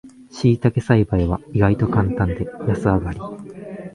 しいたけ栽培は意外とカンタンで安上がり